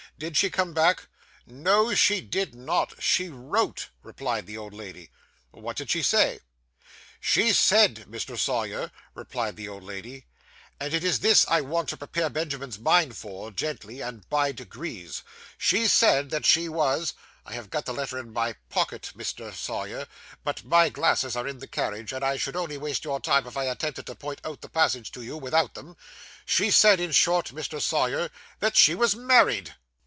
'Did she come back?' 'No, she did not; she wrote,' replied the old lady. 'What did she say?' inquired Bob eagerly. 'She said, Mr. Sawyer,' replied the old lady 'and it is this I want to prepare Benjamin's mind for, gently and by degrees; she said that she was I have got the letter in my pocket, Mr. Sawyer, but my glasses are in the carriage, and I should only waste your time if I attempted to point out the passage to you, without them; she said, in short, Mr. Sawyer, that she was married.